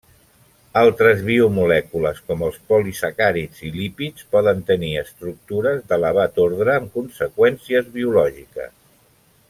Altres biomolècules com els polisacàrids i lípids, poden tenir estructures d'elevat ordre amb conseqüències biològiques.